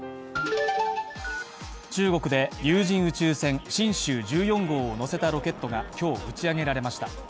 中国で有人宇宙船「神舟１４号」を乗せたロケットが今日、打ち上げられました。